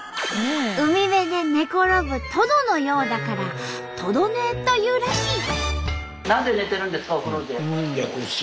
海辺で寝転ぶトドのようだから「トド寝」というらしい。